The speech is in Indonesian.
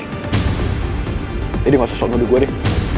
jadi gak usah sok nolih gue deh